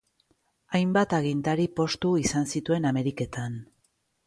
Hainbat agintari postu izan zituen Ameriketan.